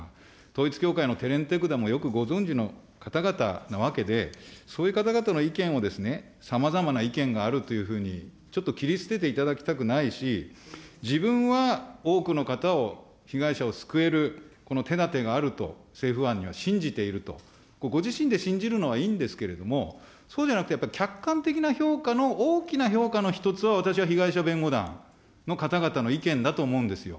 統一教会の手練手管もよくご存じな方々なわけで、そういう方々の意見をさまざまな意見があるというふうに、ちょっと切り捨てていただきたくないし、自分は多くの方を、被害者を救える手だてがあると、政府案には信じていると、ご自身で信じるのはいいんですけれども、そうじゃなくてやっぱり客観的な評価の、大きな評価の１つは、私は被害者弁護団の方々の意見だと思うんですよ。